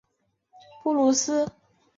布鲁斯。